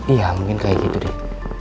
iya mungkin kayak gitu deh